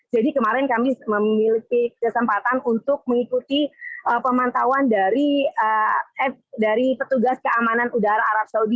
jadi kemarin kami memiliki kesempatan untuk mengikuti pemantauan dari petugas keamanan udara arab saudi